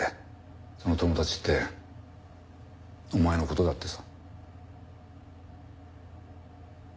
その友達ってお前の事だってさ。